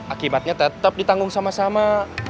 akibatnya tetap ditanggung sama sama